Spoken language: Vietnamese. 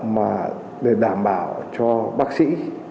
mà để đảm bảo cho bác sĩ